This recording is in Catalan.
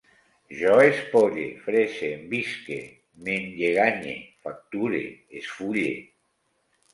Jo espolle, fresse, envisque, m'enlleganye, facture, esfulle